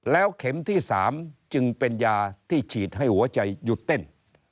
แล้วเข็มที่๓จึงเป็นยาที่ฉีดให้หัวใจหยุดเต้น